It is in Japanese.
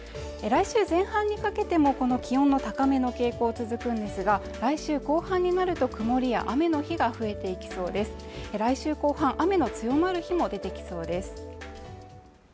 来週前半にかけてもこの気温高めの傾向続くんですが来週後半になると曇りや雨の日が増えていきそうですが来週後半雨の強まる日も出てきそうです